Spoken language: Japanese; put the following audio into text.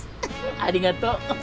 ありがとう。